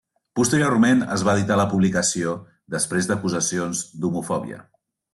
Posteriorment, es va editar la publicació després d'acusacions d'homofòbia.